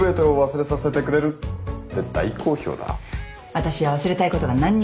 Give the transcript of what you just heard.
わたしは忘れたいことが何にもないんで。